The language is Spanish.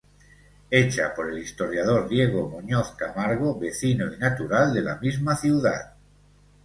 Hecha por el historiador Diego Muñoz Camargo, vecino y natural de la misma ciudad.